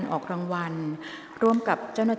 กรรมการท่านที่สี่ได้แก่กรรมการใหม่เลขเก้า